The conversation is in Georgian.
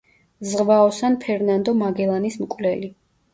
ზღვაოსან ფერნანდო მაგელანის მკვლელი.